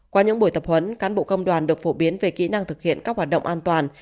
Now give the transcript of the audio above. qua những buổi tập huấn cán bộ công đoàn được phổ biến về kỹ năng thực hiện các hoạt động an toàn